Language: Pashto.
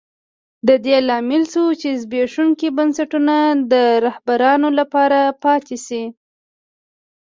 د دې لامل شوه چې زبېښونکي بنسټونه د رهبرانو لپاره پاتې شي.